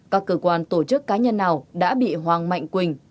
các cơ quan tổ chức cá nhân nào đã bị hoàng mạnh quỳnh